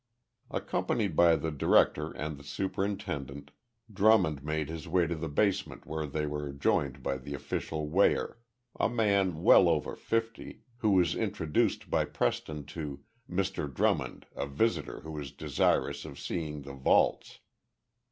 Accompanied by the director and the superintendent, Drummond made his way to the basement where they were joined by the official weigher, a man well over fifty, who was introduced by Preston to "Mr. Drummond, a visitor who is desirous of seeing the vaults."